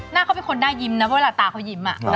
หน้าเขาเป็นคนน่ายิ้มนะเพราะเวลาตาเขายิ้ม